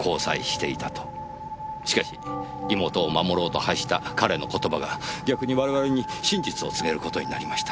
しかし妹を守ろうと発した彼の言葉が逆に我々に真実を告げる事になりました。